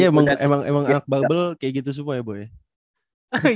kayaknya emang anak bubble kayak gitu semua ya boy